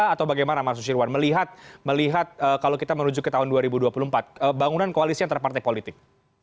atau bagaimana mas susirwan melihat kalau kita menuju ke tahun dua ribu dua puluh empat bangunan koalisi antara partai politik